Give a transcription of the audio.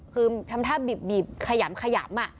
คือทำท่าบีบขยำอะ